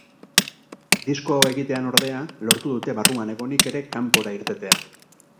Disko hau egitean ordea, lortu dute barruan egonik ere kanpora irtetea.